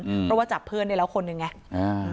เพราะว่าจับเพื่อนได้แล้วคนอย่างไร